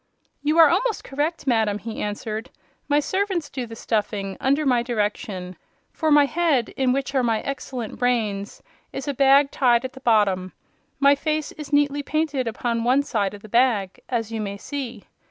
"You are almost correct, madam," he answered. "My servants do the stuffing, under my direction. For my head, in which are my excellent brains, is a bag tied at the bottom. My face is neatly painted upon one side of the bag, as you may see.